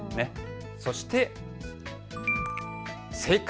そして、正解！